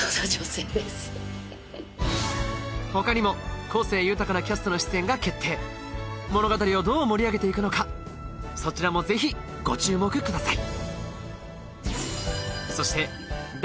フフ他にも個性豊かなキャストの出演が決定物語をどう盛り上げていくのかそちらもぜひご注目ください